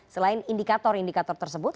selain indikator indikator tersebut